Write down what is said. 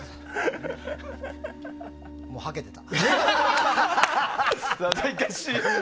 もうはけてた。